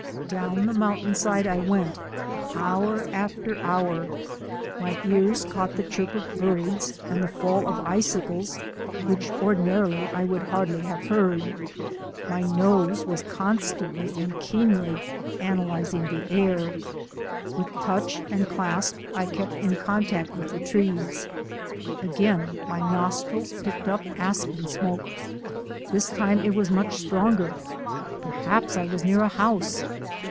Down the mountainside I went, hour after hour. My ears caught the chirp of birds and the fall of icicles which ordinarily I would hardly have heard. My nose was constantly and keenly analyzing the 16 THE ADVENTURES OF A NATURE GUIDE air. With touch and clasp I kept in contact with the trees. Again my nostrils picked up aspen smoke. This time it was much stronger. Per haps I was near a house!